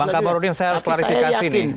bang kaparudin saya harus klarifikasi ini